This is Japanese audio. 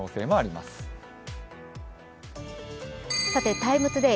「ＴＩＭＥ，ＴＯＤＡＹ」